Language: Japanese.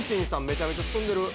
めちゃめちゃ進んでる。